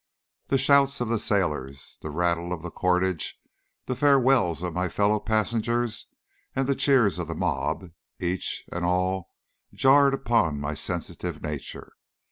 The shouts of the sailors, the rattle of the cordage, the farewells of my fellow passengers, and the cheers of the mob, each and all jarred upon my sensitive nature.